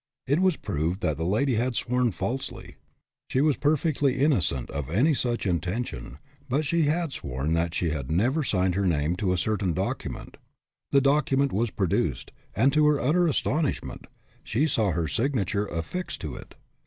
It was proved that the lady had sworn falsely. She was perfectly innocent of any such inten tion, but she had sworn that she had never signed her name to a certain document. The document was produced, and, to her utter astonishment, she saw her signature affixed to it.